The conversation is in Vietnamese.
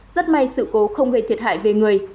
rất may sự cố không gây thiệt hại về người